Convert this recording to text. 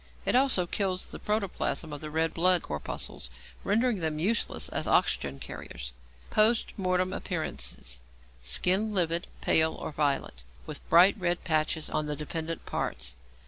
It also kills the protoplasm of the red blood corpuscles, rendering them useless as oxygen carriers. Post Mortem Appearances. Skin livid, pale, or violet, with bright red patches on the dependent parts.